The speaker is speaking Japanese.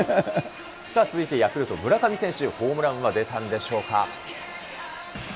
さあ、続いてヤクルト、村上選手、ホームランは出たんでしょうか。